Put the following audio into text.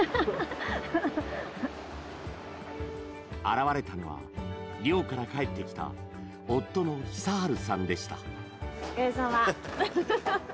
現れたのは漁から帰ってきた夫の久春さんでした。